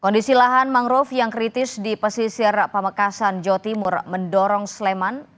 kondisi lahan mangrove yang kritis di pesisir pamekasan jawa timur mendorong sleman